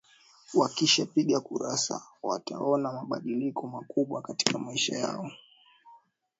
wakisha piga kura wataona mabadiliko makubwa katika maisha yao